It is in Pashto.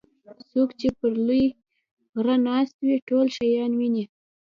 څوک چې پر لوی غره ناست وي ټول شیان ویني.